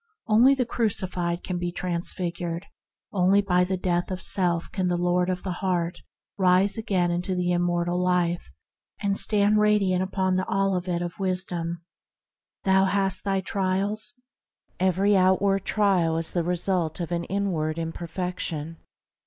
Only the crucified can be transfigured; only by the passing away of self can the Lord of the heart rise again into the Immortal Life, and stand radiant upon the Olivet of Wisdom. Thou hast thy trials ? Every outward trial is the replica of an inward imper fection.